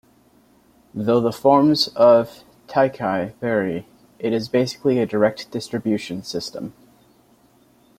Though the forms of teikei vary, it is basically a direct distribution system.